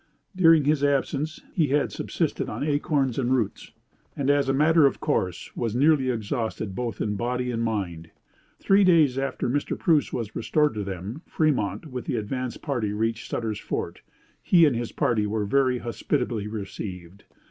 During his absence he had subsisted on acorns and roots, and, as a matter of course, was nearly exhausted both in body and mind. Three days after Mr. Preuss was restored to them, Fremont, with the advance party, reached Sutter's Fort. He and his party were very hospitably received.